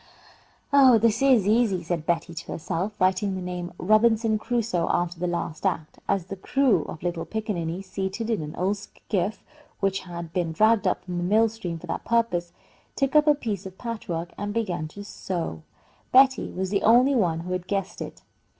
"Oh, this is easy," said Betty to herself, writing the name "Robinson Crusoe" after the last act, as the crew of little pickaninnies, seated in an old skiff which had been dragged up from the mill stream for that purpose, took up a piece of patch work and began to sew. Betty was the only one who had guessed it.